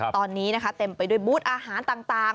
ตอนนี้เต็มไปด้วยบุตรอาหารต่าง